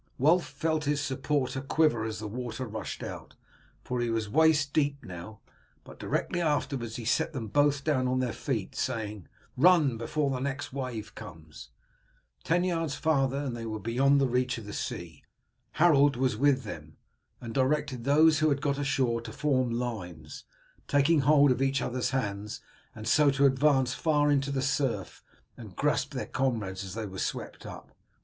Wulf felt his supporter quiver as the water rushed out, for he was waist deep now; but directly afterwards he set them both down on their feet, saying, "Run before the next wave comes." Ten yards farther and they were beyond the reach of the sea. Harold was with them, and directed those who had got ashore to form lines, taking hold of each other's hands, and so to advance far into the surf and grasp their comrades as they were swept up.